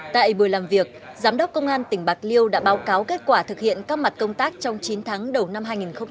tại buổi làm việc giám đốc công an tỉnh bạc liêu đã báo cáo kết quả thực hiện các mặt công tác trong chín tháng đầu năm hai nghìn hai mươi ba